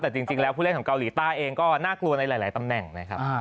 แต่จริงแล้วผู้เล่นของเกาหลีใต้เองก็น่ากลัวในหลายตำแหน่งนะครับ